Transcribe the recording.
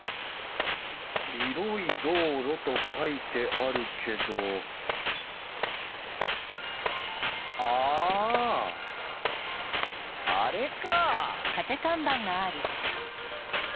広い道路と書いてあるけどあああれか！